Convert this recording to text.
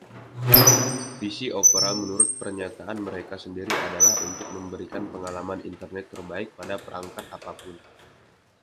Visi Opera menurut pernyataan mereka sendiri adalah untuk memberikan pengalaman internet terbaik pada perangkat apa pun.